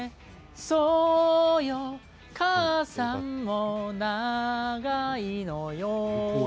「そうよかあさんもながいのよ」